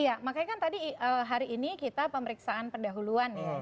iya makanya kan tadi hari ini kita pemeriksaan pendahuluan ya